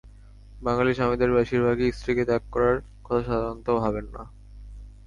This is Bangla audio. বাঙালি স্বামীদের বেশির ভাগই স্ত্রীকে ত্যাগ করার কথা সাধারণত ভাবেন না।